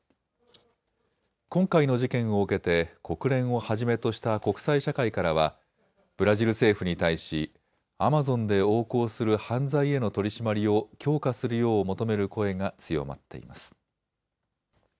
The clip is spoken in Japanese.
今回の事件を受けて国連をはじめとした国際社会からはブラジル政府に対しアマゾンで横行する犯罪への取締りを強化するよう求める声が強まっています。